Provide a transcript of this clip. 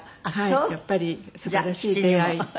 やっぱりすばらしい出会い。